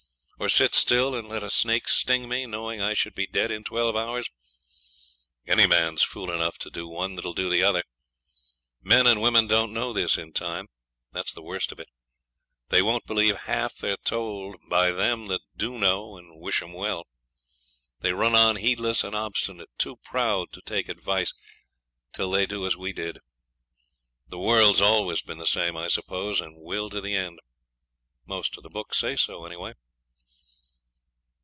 or sit still and let a snake sting me, knowing I should be dead in twelve hours? Any man's fool enough to do one that'll do the other. Men and women don't know this in time, that's the worst of it; they won't believe half they're told by them that do know and wish 'em well. They run on heedless and obstinate, too proud to take advice, till they do as we did. The world's always been the same, I suppose, and will to the end. Most of the books say so, anyway.